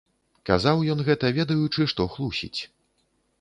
Казаў ён гэта, ведаючы, што хлусіць.